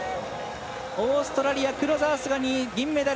オーストラリアのクロザースが銀メダル。